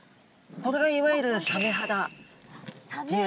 これがいわゆるサメ肌っていう。